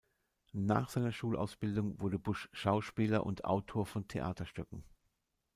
Nach seiner Schulausbildung wurde Busch Schauspieler und Autor von Theaterstücken.